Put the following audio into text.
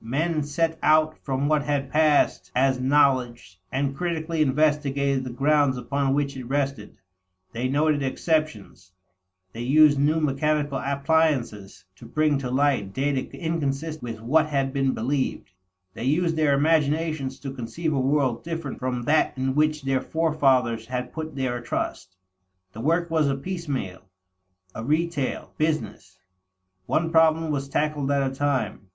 Men set out from what had passed as knowledge, and critically investigated the grounds upon which it rested; they noted exceptions; they used new mechanical appliances to bring to light data inconsistent with what had been believed; they used their imaginations to conceive a world different from that in which their forefathers had put their trust. The work was a piecemeal, a retail, business. One problem was tackled at a time.